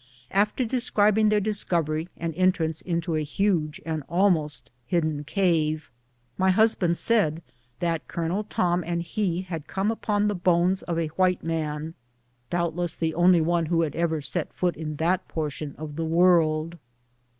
After describing their discovery and entrance into a large and almost hidden cave, my husband said that Colonel Tom and he had come upon the bones of a white man, doubtless the only one who had ever set foot in that portion of the world.